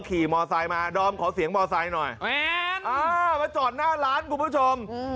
ขี่มอไซค์มาดอมขอเสียงมอไซค์หน่อยมาจอดหน้าร้านคุณผู้ชม